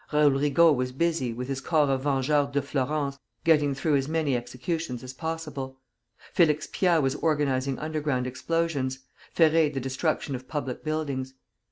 Raoul Rigault was busy, with his corps of Vengeurs de Flourens, getting through as many executions as possible; Félix Pyat was organizing underground explosions, Ferré, the destruction of public buildings.